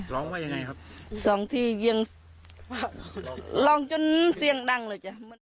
ร้องว่ายังไงครับสองทียังร้องจนเสียงดังเลยจ้ะ